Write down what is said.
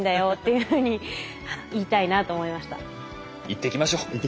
言っていきましょう。